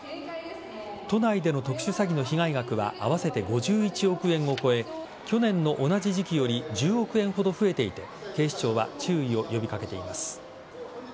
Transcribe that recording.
都内での特殊詐欺の被害額は合わせて５１億円を超え去年の同じ時期より１０億円ほど増えていて警視庁は注意を呼び掛けています。